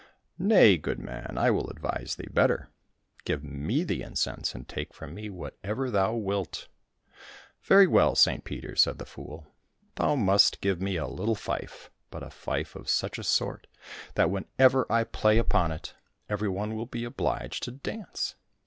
—" Nay, good man, I will advise thee better : give me the incense and take from me whatever thou wilt." —" Very well, St Peter," said the fool ;" thou must give me a little fife, but a fife of such a sort that whenever I play upon it, every one will be obliged to dance."